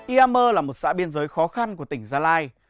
iammer là một xã biên giới khó khăn của tỉnh gia lai